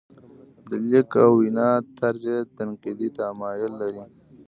د لیک او وینا طرز یې تنقیدي تمایل لري.